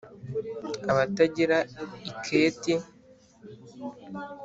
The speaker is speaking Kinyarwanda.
abatagira iketi